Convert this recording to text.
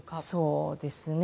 そうですね。